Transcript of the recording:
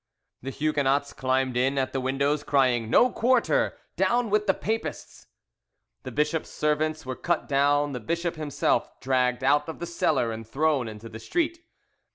The Huguenots climbed in at the windows, crying, "No quarter! Down with the Papists!" The bishop's servants were cut down, the bishop himself dragged out of the cellar and thrown into the street.